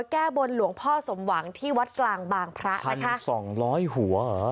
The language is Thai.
แก้บนหลวงพ่อสมหวังที่วัดกลางบางพระนะคะสองร้อยหัวเหรอ